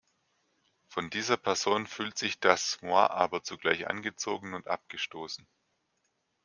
Von dieser Person fühlt sich das "moi" aber zugleich angezogen und abgestoßen.